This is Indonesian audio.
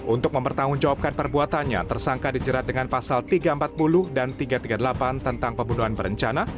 untuk mempertanggungjawabkan perbuatannya tersangka dijerat dengan pasal tiga ratus empat puluh dan tiga ratus tiga puluh delapan tentang pembunuhan berencana